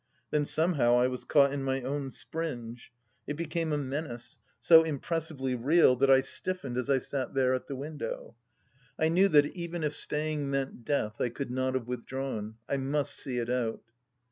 ... Then somehow I was caught in my own springe : it became a menace, so impressively real that I stiffened as I sat there at the window. I knew that even if staying meant death, I could not have withdrawn. I must see it out.